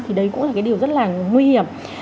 thì đấy cũng là cái điều rất là nguy hiểm